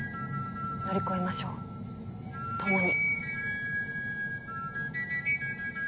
乗り越えましょう共に。